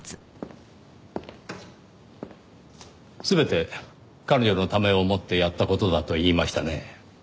全て彼女のためを思ってやった事だと言いましたね。